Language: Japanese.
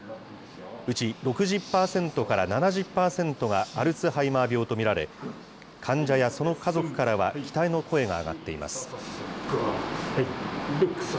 うち６０％から７０％がアルツハイマー病と見られ、患者やその家族からは期待の声が上がっています。